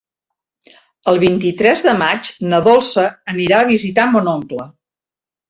El vint-i-tres de maig na Dolça anirà a visitar mon oncle.